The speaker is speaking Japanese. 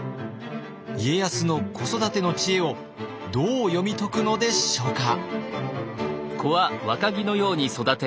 家康の子育ての知恵をどう読み解くのでしょうか。